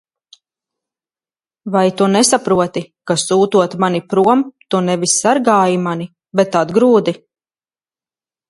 Vai tu nesaproti, ka, sūtot mani prom, tu nevis sargāji mani, bet atgrūdi?